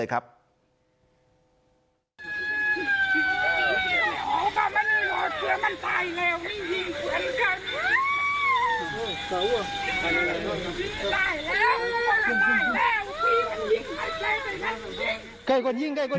ใกล้กว่ายิงใกล้กว่ายิงใกล้กว่ายิง